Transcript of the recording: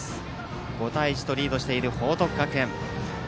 ５対１とリードしている報徳学園。